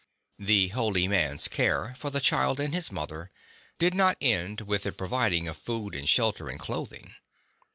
The holy man's care for the child and his mother did not end with the providing of food and shelter and clothing.